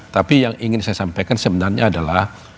tapi yang ingin saya sampaikan sebenarnya adalah